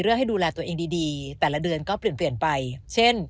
ให้ดูแลตัวเองดีแต่ละเดือนก็เปลี่ยนเปลี่ยนไปเช่น